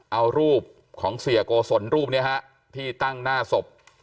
เอารูปของเสียโกศลรูปนี้ฮะที่ตั้งหน้าศพ